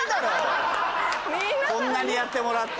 こんなにやってもらって。